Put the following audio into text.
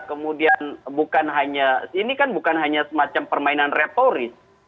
kemudian bukan hanya ini kan bukan hanya semacam permainan retoris